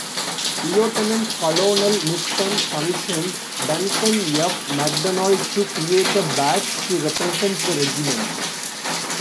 Lieutenant-Colonel Knifton commissioned Duncan F. Macdonald to create a badge to represent the regiment.